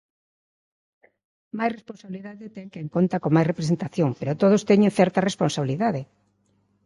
Máis responsabilidade ten quen conta con máis representación pero todos teñen certa responsabilidade.